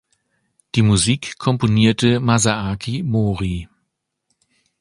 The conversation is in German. Die Musik komponierte Masaaki Mori.